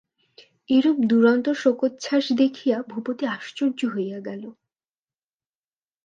এরূপ দুরন্ত শোকোচ্ছ্বাস দেখিয়া ভূপতি আশ্চর্য হইয়া গেল।